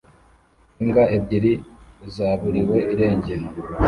Imbwa ebyiri zaburiwe irengero